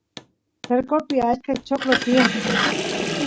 cercopi achka choclo tiyan